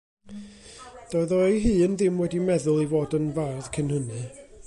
Doedd o ei hun ddim wedi meddwl i fod yn fardd cyn hynny.